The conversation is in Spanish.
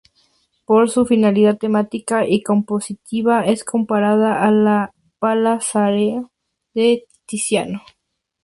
Por su afinidad temática y compositiva es comparada a la "Pala Pesaro" de Tiziano.